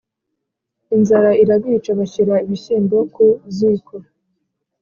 Inzara irabica Bashyira ibishyimbo ku ziko